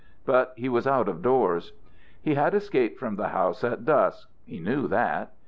But he was out of doors. He had escaped from the house at dusk; he knew that.